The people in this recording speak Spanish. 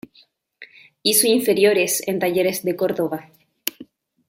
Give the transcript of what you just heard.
Hizo inferiores en Talleres de Córdoba.